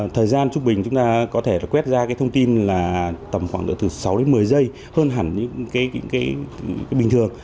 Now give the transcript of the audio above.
thời gian trung bình chúng ta có thể quét ra thông tin là tầm khoảng sáu một mươi giây hơn hẳn những cái bình thường